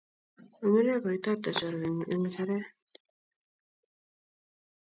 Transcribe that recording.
Amune koitorte chorwet ngug eng ngecheret.